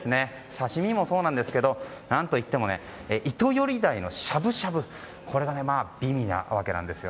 刺し身もそうなんですが何といってもイトヨリダイのしゃぶしゃぶこれが美味なわけです。